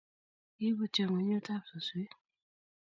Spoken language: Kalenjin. Kibutyo ingwenyutab suswek